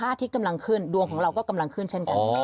อาทิตย์กำลังขึ้นดวงของเราก็กำลังขึ้นเช่นกัน